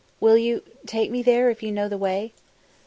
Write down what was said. "Will you take me there, if you know the way?"